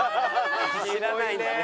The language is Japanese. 知らないんだね。